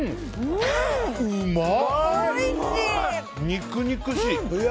肉々しい！